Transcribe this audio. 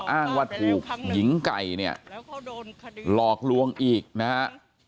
อ้างว่าถูกหญิงไก่เนี่ยหลอกลวงอีกนะฮะ